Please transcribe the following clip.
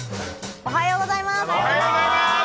おはようございます。